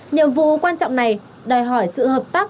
nhiệm vụ quan trọng này đòi hỏi sự hợp tác